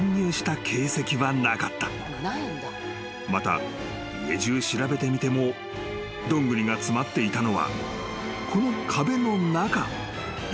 ［また家じゅう調べてみてもドングリが詰まっていたのはこの壁の中１カ所のみ］